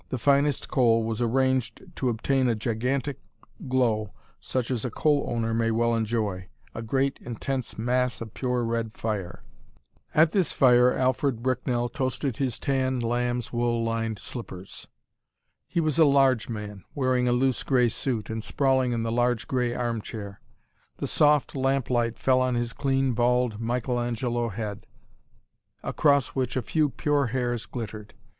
The finest coal was arranged to obtain a gigantic glow such as a coal owner may well enjoy, a great, intense mass of pure red fire. At this fire Alfred Bricknell toasted his tan, lambs wool lined slippers. He was a large man, wearing a loose grey suit, and sprawling in the large grey arm chair. The soft lamp light fell on his clean, bald, Michael Angelo head, across which a few pure hairs glittered.